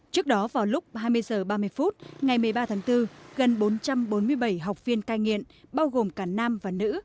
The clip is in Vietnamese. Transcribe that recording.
trước đó vào lúc hai mươi h ba mươi phút ngày một mươi ba tháng bốn gần bốn trăm bốn mươi bảy học viên cai nghiện bao gồm cả nam và nữ